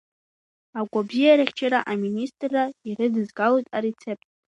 Агәабзиарахьчара аминистрра ирыдызгалоит арецепт.